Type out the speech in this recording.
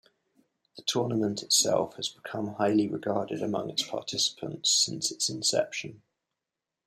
The tournament itself has become highly regarded among its participants since its inception.